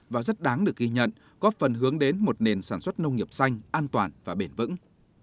và rất đáng được ghi nhận góp phần hướng đến một nền sản xuất nông nghiệp xanh an toàn và bền vững